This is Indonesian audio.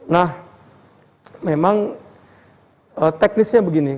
nah memang teknisnya begini